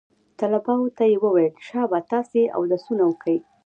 طلباو ته يې وويل شابه تاسې اودسونه وكئ.